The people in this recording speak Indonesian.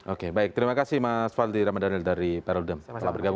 oke baik terima kasih mas faldi ramadhanil dari perludem telah bergabung bersama kami